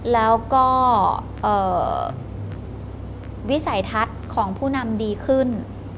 แล้วก็วิสัยทัศน์ของผู้นำดีขึ้น